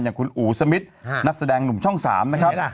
อย่างคุณอู๋สมิทนักแสดงหนุ่มช่อง๓นะครับ